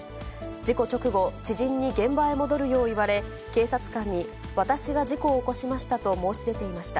事故直後、知人に現場へ戻るよう言われ、警察官に、私が事故を起こしましたと申し出ていました。